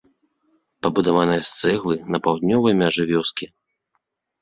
Пабудаваная з цэглы на паўднёвай мяжы вёскі.